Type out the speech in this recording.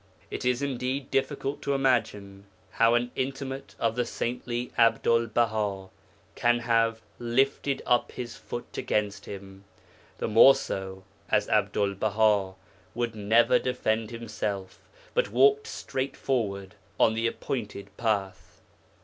It is indeed difficult to imagine how an intimate of the saintly Abdul Baha can have 'lifted up his foot' against him, the more so as Abdul Baha would never defend himself, but walked straight forward on the appointed path.